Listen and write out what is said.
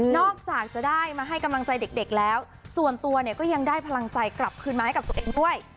จากจะได้มาให้กำลังใจเด็กแล้วส่วนตัวเนี่ยก็ยังได้พลังใจกลับคืนมาให้กับตัวเองด้วย